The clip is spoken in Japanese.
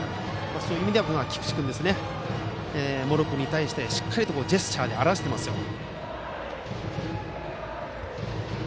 そういう意味ではキャッチャーの菊池君茂呂君に対してしっかりとジェスチャーで表していますね。